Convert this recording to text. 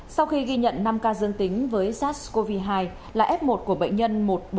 sau khi ghi nhận năm ca dương tính với sars cov hai là f một của bệnh nhân một mươi bốn nghìn bốn trăm bốn mươi hai